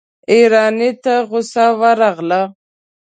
ايراني ته غصه ورغله.